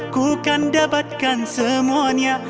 ku kan dapatkan semuanya